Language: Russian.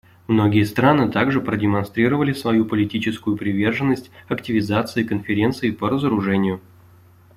Многие страны также продемонстрировали свою политическую приверженность активизации Конференции по разоружению.